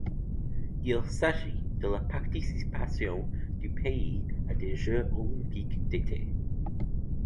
Il s'agit de la participation du pays à des Jeux olympiques d'été.